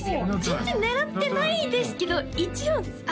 全然狙ってないですけど一応です